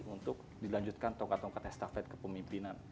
untuk dilanjutkan tongkat tongkatnya staff led kepemimpinan